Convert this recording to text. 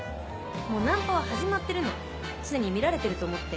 もうナンパは始まってるの常に見られてると思って。